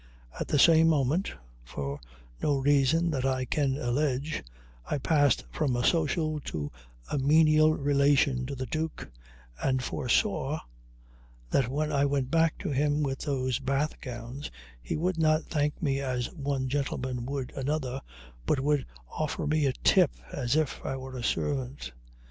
At the same moment, for no reason that I can allege, I passed from a social to a menial relation to the Duke, and foresaw that when I went back to him with those bath gowns he would not thank me as one gentleman would another, but would offer me a tip as if I were a servant.